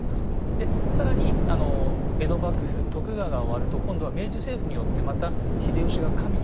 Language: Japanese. で更に江戸幕府徳川が終わると今度は明治政府によってまた秀吉が神に復活してるんです。